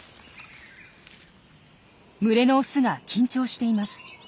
群れのオスが緊張しています。